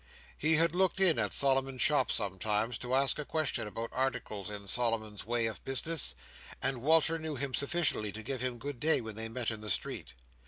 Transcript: He had looked in at Solomon's shop sometimes, to ask a question about articles in Solomon's way of business; and Walter knew him sufficiently to give him good day when they met in the street.